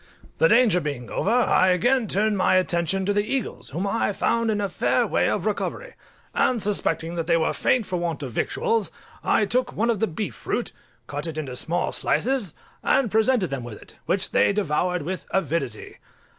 The danger being over, I again turned my attention to the eagles, whom I found in a fair way of recovery, and suspecting that they were faint for want of victuals, I took one of the beef fruit, cut it into small slices, and presented them with it, which they devoured with avidity.